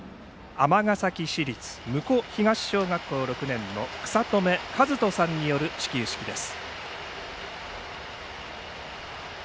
尼崎市立武庫東小学校６年の草留和大さんによる始球式です。